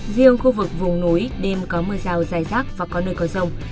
riêng khu vực vùng núi đêm có mưa rào dài rác và có nơi có rông